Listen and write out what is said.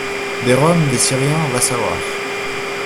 Des Roms, des Syriens, va savoir.